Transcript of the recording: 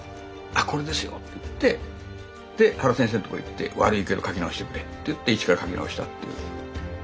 「あこれですよ！」って言って原先生のとこ行って「悪いけど描き直してくれ」って言って一から描き直したという。